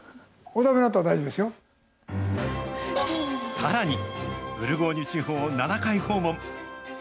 さらに、ブルゴーニュ地方を７回訪問。